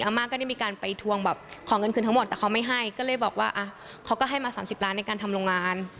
มาก็ได้มีการไปทวงแบบขอเงินคืนทั้งหมดแต่เขาไม่ให้ก็เลยบอกว่าเขาก็ให้มา๓๐ล้านในการทำโรงงาน